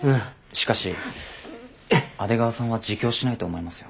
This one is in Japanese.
しかし阿出川さんは自供しないと思いますよ。